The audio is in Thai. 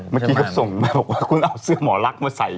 เมื่อกี้ก็ส่งมาบอกว่าคุณเอาเสื้อหมอลักษณ์มาใส่